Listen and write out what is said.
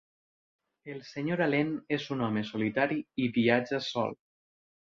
El Sr. Allen és un home solitari i viatja sol.